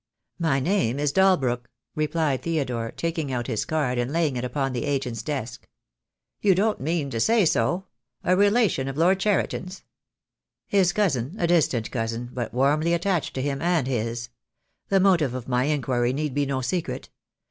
"My name is Dalbrook," replied Theodore, taking out his card and laying it upon the agent's desk. "You don't mean to say so! A relation of Lord Cheriton's?" "His cousin, a distant cousin, but warmly attached to him and — his. The motive of my inquiry need be no secret.